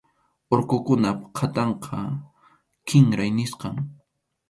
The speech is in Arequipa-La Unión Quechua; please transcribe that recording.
Urqukunap qhatanqa kinray nisqam.